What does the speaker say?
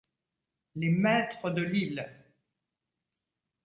Les maîtres de l’île!...